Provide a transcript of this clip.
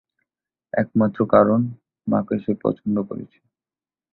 একমাত্র কারণ, মাকে সে পছন্দ করেছে।